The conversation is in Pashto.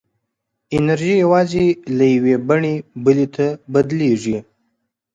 انرژي یوازې له یوې بڼې بلې ته بدلېږي.